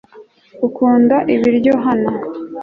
ukunda ibiryo hano